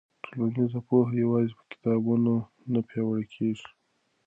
ټولنیز پوهه یوازې په کتابونو نه پیاوړې کېږي.